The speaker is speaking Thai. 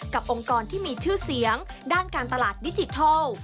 องค์กรที่มีชื่อเสียงด้านการตลาดดิจิทัล